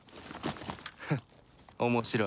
フッ面白い。